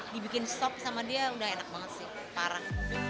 dibikin sop sama dia udah enak banget sih parah